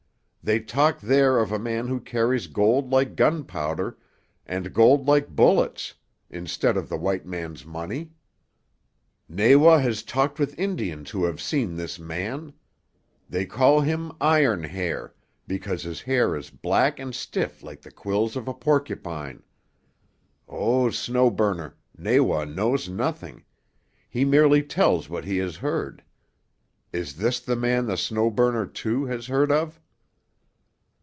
They talk there of a man who carries gold like gunpowder and gold like bullets, instead of the white man's money. "Nawa has talked with Indians who have seen this man. They call him 'Iron Hair,' because his hair is black and stiff like the quills of a porcupine. Oh, Snow Burner, Nawa knows nothing. He merely tells what he has heard. Is this the man the Snow Burner, too, has heard of!"